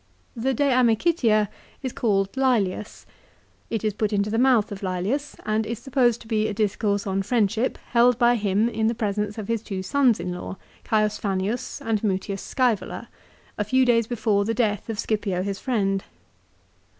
l The "De Amicitia" is called Lselius. It is put into the mouth of Lselius and is supposed to be a discourse on friendship held by him in the presence of his two sons in law Caius Fannius, and Mutius Scsevola, a few days after the death of Scipio his friend.